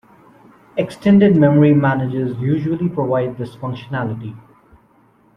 Extended memory managers usually provide this functionality.